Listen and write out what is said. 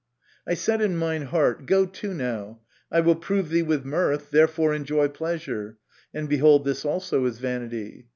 " I said in mine heart, Go to now, I will prove thee with mirth, therefore enjoy pleasure : and, behold, this also is vanity.